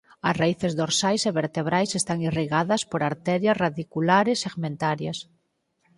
As raíces dorsais e ventrais están irrigadas por arterias radiculares segmentarias.